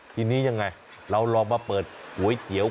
ทีนี้ยังไงเราลองมาเปิดก๋วยเตี๋ยว